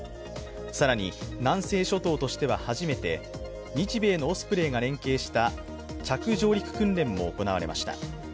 更に、南西諸島としては初めて日米のオスプレイが連携した着上陸訓練も行われました。